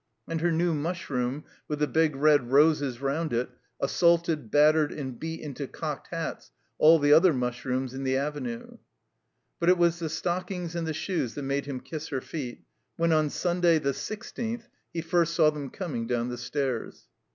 And her new mushroom with the big red roses rotmd it assaulted, battered, and beat into cocked hats all the other mushrooms in the Avenue. But it was the stockings and the shoes that made him kiss her feet when, on Simday, the sixteenth, he first saw them coming down the stairs.